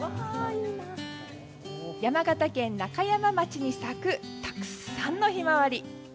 山形県中山町に咲くたくさんのヒマワリ。